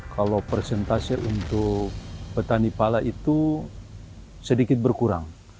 kalau persentase untuk petani pala itu sedikit berkurang